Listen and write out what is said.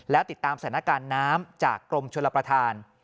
แล้วติดตามสถานการณ์น้ำจากกรมชลประธาน